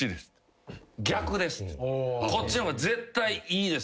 「こっちの方が絶対いいです」